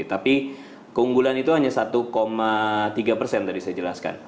tapi keunggulan itu hanya satu tiga persen tadi saya jelaskan